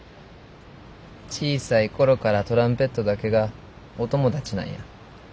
小さい頃からトランペットだけがお友達なんや。